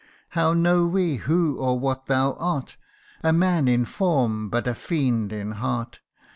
How know we who or what thou art, A man in form, but a fiend in heart